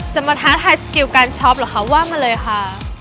มาท้าทายสกิลการช็อปเหรอคะว่ามาเลยค่ะ